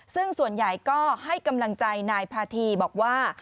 ซึ่งส่วนใหญ่ก็ให้กำลังใจนายพาธีบอกว่า